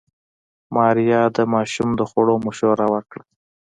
ماريا د ماشوم د خوړو مشوره ورکړه.